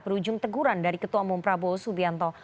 berujung teguran dari ketua umum prabowo subianto